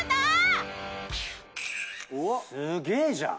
すげえじゃん。